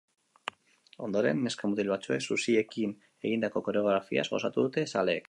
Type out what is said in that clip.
Ondoren, neska-mutil batzuek zuziekin egindako koreografiaz gozatu dute zaleek.